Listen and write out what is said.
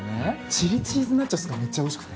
チリチ―ズナチョスがめっちゃおいしくて。